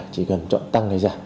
chỉ cần chọn tăng hay giả